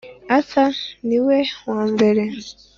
arthur niwe wambere.